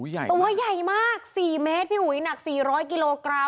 ตัวใหญ่มาก๔เมตรพี่อุ๋ยหนัก๔๐๐กิโลกรัม